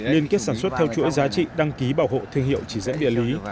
liên kết sản xuất theo chuỗi giá trị đăng ký bảo hộ thương hiệu chỉ dẫn địa lý